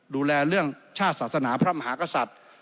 ดูแลเรื่องชาติศาสนาพระมหากษัตริย์